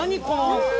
この。